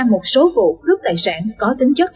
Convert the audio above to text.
một số vụ thước tài sản có tính chất